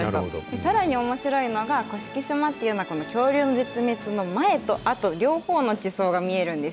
さらにおもしろいのが、甑島っていうのは、この恐竜の絶滅の前と後、両方の地層が見えるんです。